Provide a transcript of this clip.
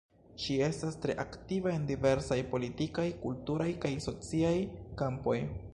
Ŝi estas tre aktiva en diversaj politikaj, kulturaj kaj sociaj kampoj.